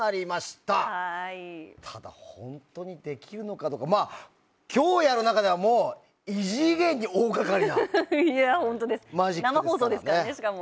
ただ、本当にできるのかどうか今日やる中では異次元に大掛かりな生放送ですからね、しかも。